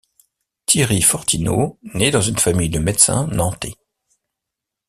Thierry Fortineau naît dans une famille de médecins nantais.